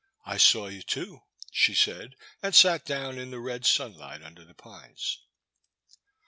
'' I saw you too/' she said, and sat down in the red sunlight under the pines.